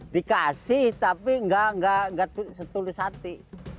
dikasih tapi nggak setulus hati